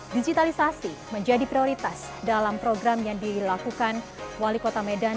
digitalisasi menjadi prioritas dalam program yang dilakukan wali kota medan